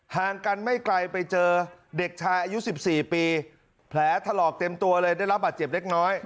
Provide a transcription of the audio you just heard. ห่างกันไม่ไกลไปเจอเด็กชายอายุ๑๔ปีแผลถลอกเต็มตัวเลยได้รับบาดเจ็บเล็กน้อย